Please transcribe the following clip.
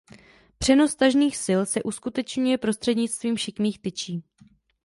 Přenos tažných sil se uskutečňuje prostřednictvím šikmých tyčí.